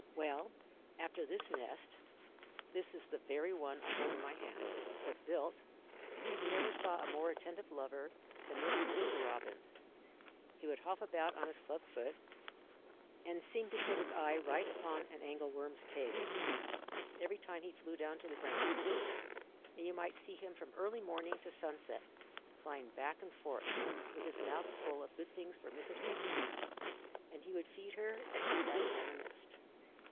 "Well, after this nest this is the very one I hold in my hand was built, you never saw a more attentive lover than this Mr. Robin. He would hop about with his club foot, and seem to put his eye right upon an angle worm's cave every time he flew down to the ground, and you might see him from early morning to sunset flying back and forth with his mouth full of good things for Mrs. Robin, and he would feed her as she sat upon the nest.